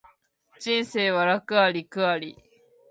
人生は楽あり苦あり